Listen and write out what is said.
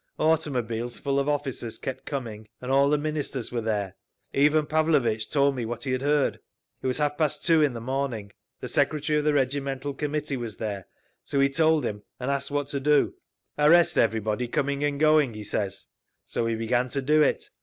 Automobiles full of officers kept coming, and all the Ministers were there. Ivan Pavlovitch told me what he had heard. It was half past two in the morning. The secretary of the regimental Committee was there, so we told him and asked what to do. "'Arrest everybody coming and going!' he says. So we began to do it.